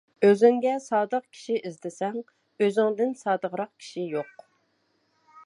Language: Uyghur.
ئۆزۈڭگە سادىق كىشى ئىزدىسەڭ ئۆزۈڭدىن سادىقراق كىشى يوق.